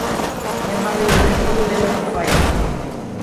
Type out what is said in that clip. Jimme hawwe jimme hiele libben noch foar jimme.